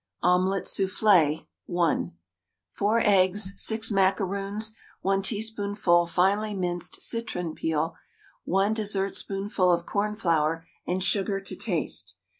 OMELET SOUFFLÉ (1). 4 eggs, 6 macaroons, 1 teaspoonful finely minced citron peel, 1 dessertspoonful of cornflour, and sugar to taste.